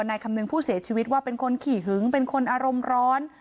นายคำนึงผู้เสียชีวิตว่าเป็นคนขี่หึงเป็นคนอารมณ์ร้อน